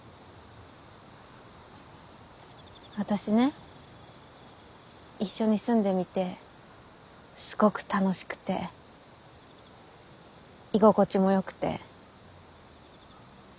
私ね一緒に住んでみてすごく楽しくて居心地もよくて。